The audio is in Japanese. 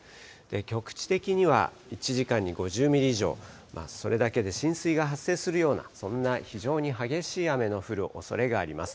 局地的には１時間に５０ミリ以上、それだけで浸水が発生するような、そんな非常に激しい雨の降るおそれがあります。